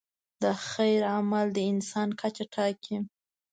د خیر عمل د انسان کچه ټاکي.